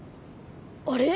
あれ？